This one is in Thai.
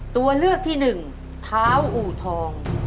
ตัวเลือกที่๑ท้าวอูทอง